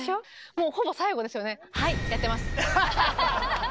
もうほぼ最後ですよね。